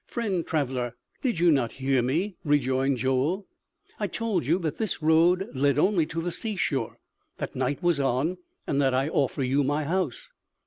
"Friend traveler, did you not hear me?" rejoined Joel. "I told you that this road led only to the seashore, that night was on, and that I offer you my house."